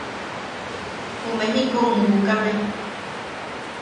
Juʼu Mejikou mukukame.